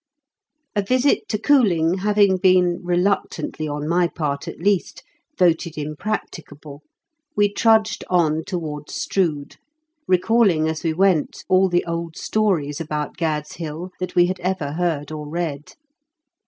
A visit to Cooling having been, reluctantly on my part at least, voted impracticable, we trudged on towards Strood, recalling as we went all the old stories about Gad'slHill that we had ever heard or read.